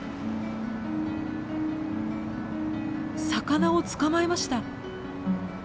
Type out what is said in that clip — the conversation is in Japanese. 魚を捕まえました。